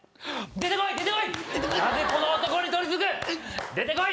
出てこい！